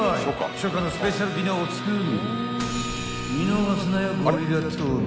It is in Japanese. ［初夏のスペシャルディナーを作る］